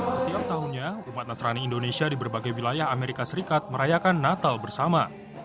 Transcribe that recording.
setiap tahunnya umat nasrani indonesia di berbagai wilayah amerika serikat merayakan natal bersama